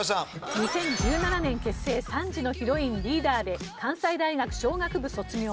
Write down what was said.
２０１７年結成３時のヒロインリーダーで関西大学商学部卒業。